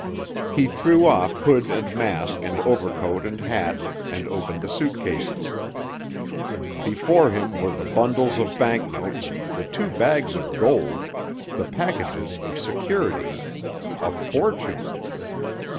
He threw off hood and mask and overcoat and hat, and opened the suit cases. Before him were the bundles of bank notes, the two bags of gold, the packages of securities—a fortune!